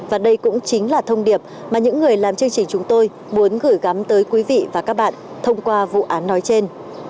và đây cũng chính là thông điệp mà những người làm chương trình chúng tôi muốn gửi gắm tới quý vị và các bạn thông qua vụ án nói trên